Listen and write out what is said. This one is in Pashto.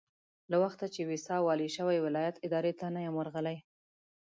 له هغه وخته چې ويساء والي شوی ولایت ادارې ته نه یم ورغلی.